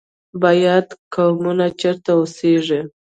بیات قومونه چیرته اوسیږي؟